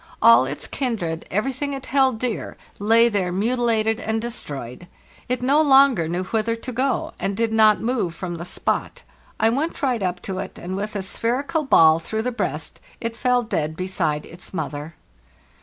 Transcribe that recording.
All its kindred, everything it held dear, lay there mutilated and destroyed. It no longer knew whither to go, and did not move from the spot. I went right up to it, and, with a spherical ball through the breast, it fell dead beside its mother.